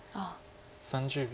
３０秒。